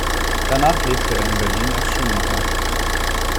Danach lebte er in Berlin als Schuhmacher.